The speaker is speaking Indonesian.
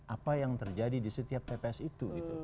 apa yang terjadi di setiap tps itu